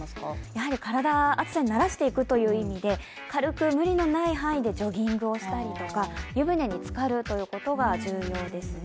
やはり体、暑さに慣らしていくという意味で軽く無理のない範囲でジョギングをしたりとか、湯船につかるということが重要ですね。